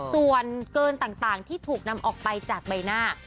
ส่วนเกินต่างที่ถูกนำออกไปจากใบหน้า